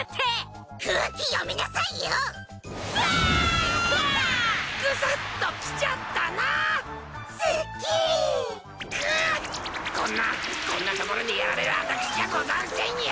くぅっこんなこんなところでやられる私じゃござんせんよ。